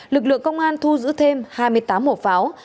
lực lượng công an thu giữ thêm hai mươi tám hộp pháo